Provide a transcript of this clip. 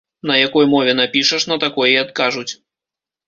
На якой мове напішаш, на такой і адкажуць.